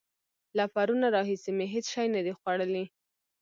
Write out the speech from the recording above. له پرونه راهسې مې هېڅ شی نه دي خوړلي.